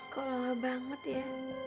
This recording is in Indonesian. kau lama banget ya